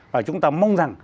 và chúng ta mong rằng